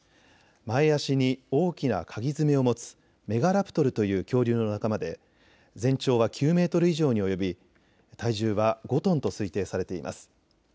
前足に大きなかぎ爪を持つメガラプトルという恐竜の仲間で全長は９メートル以上に及び体重は５トンと推定されています。